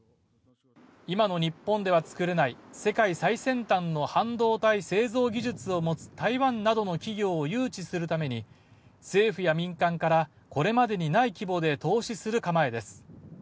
今の日本ではつくれない世界最先端の半導体製造技術を持つ台湾などの企業を誘致するために、政府や民間からこれまでにない規模で投資する構えです。